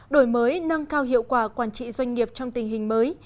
đổi mới nâng cao hiệu quả quản trị doanh nghiệp trong tình hình mới